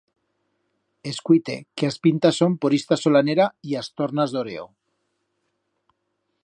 Escuite, que as pintas son por ista solanera y as tornas d'oreo.